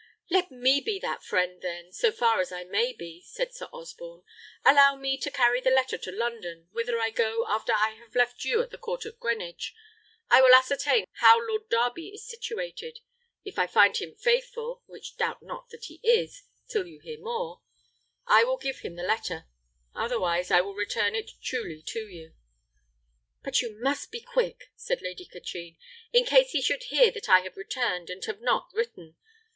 "Let me be that friend, then, so far as I may be," said Sir Osborne. "Allow me to carry the letter to London, whither I go after I have left you at the court at Greenwich. I will ascertain how Lord Darby is situated. If I find him faithful (which doubt not that he is, till you hear more), I will give him the letter; otherwise I will return it truly to you." "But you must be quick," said Lady Katrine, "in case he should hear that I have returned, and have not written.